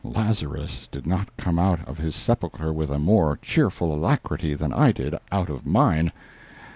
Lazarus did not come out of his sepulchre with a more cheerful alacrity than I did out of mine.